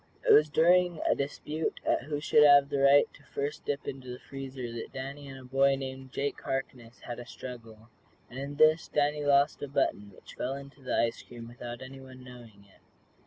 It was during a dispute as to who should have the right to first dip into the freezer that Danny and a boy named Jake Harkness had a struggle, and in this Danny lost a button which fell into the ice cream without anyone knowing it.